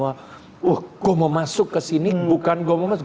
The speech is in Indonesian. wah gue mau masuk ke sini bukan gue mau masuk